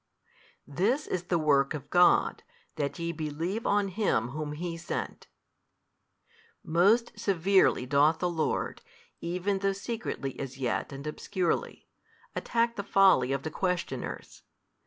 This is the work of God, that ye believe on Him whom HE sent. Most severely doth the Lord, even though secretly as yet and obscurely, attack the folly of the questioners.